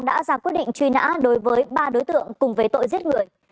đã ra quyết định truy nã đối với ba đối tượng cùng với tội giết người